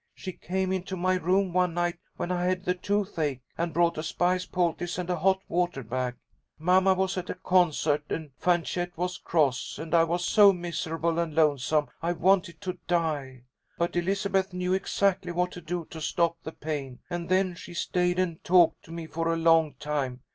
She came into my room one night when I had the tooth ache, and brought a spice poultice and a hot water bag. Mamma was at a concert, and Fanchette was cross, and I was so miserable and lonesome I wanted to die. But Elizabeth knew exactly what to do to stop the pain, and then she stayed and talked to me for a long time.